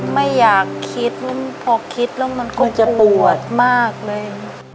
ไม่อยากคิดพอคิดแล้วมันควรจะปวดมากเลย